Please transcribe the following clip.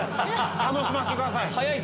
楽しませてください。